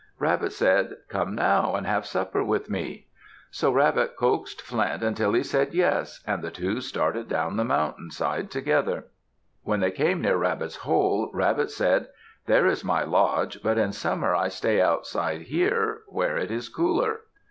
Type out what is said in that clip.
Rabbit said, "Come now and have supper with me." So Rabbit coaxed Flint until he said yes, and the two started down the mountain side together. When they came near Rabbit's hole, Rabbit said, "There is my lodge, but in summer I stay outside here, where it is cooler."